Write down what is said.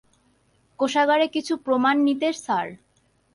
কোষাগারে কিছু প্রমাণ নিতে, স্যার।